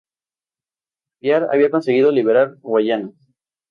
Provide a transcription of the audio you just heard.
Piar había conseguido liberar Guayana.